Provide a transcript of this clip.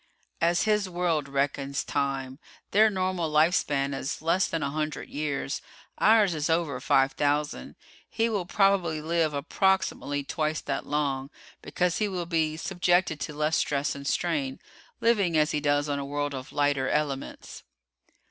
"As his world reckons time. Their normal life span is less than a hundred years. Ours is over five thousand. He will probably live approximately twice that long, because he will be subjected to less stress and strain, living as he does on a world of lighter elements."